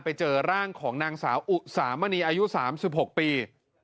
ไปเจอร่างของนางสาวอุสามณีอายุ๓๖ปี